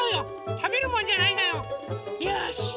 たべるもんじゃないんだよ。よし！